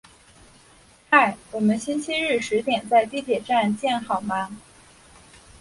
嗨，我们星期日十点在地铁站见好吗？